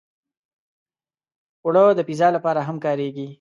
اوړه د پیزا لپاره هم کارېږي